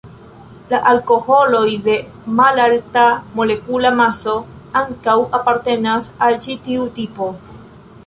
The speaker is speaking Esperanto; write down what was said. La alkoholoj de malalta molekula maso ankaŭ apartenas al ĉi tiu tipo.